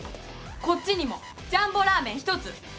こっちにもジャンボラーメン１つ。